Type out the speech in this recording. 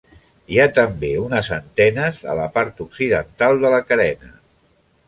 Hi ha també unes antenes a la part occidental de la carena.